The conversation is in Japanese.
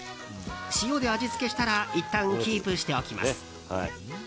塩で味付けしたらいったんキープしておきます。